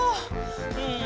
うん。